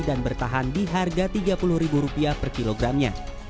dan bertahan di harga rp tiga puluh per kilogramnya